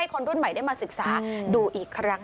ต้องใช้ใจฟัง